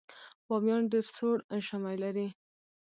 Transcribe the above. بامیان ډیر سوړ ژمی لري